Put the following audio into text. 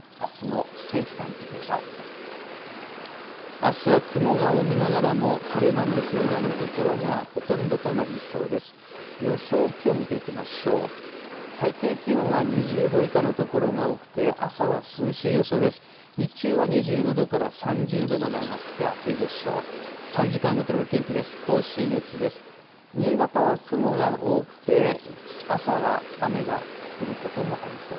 日中は２５度から３０度まで上がって、暑いでしょう。